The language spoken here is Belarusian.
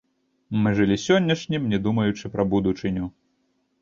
Мы жылі сённяшнім, не думаючы пра будучыню.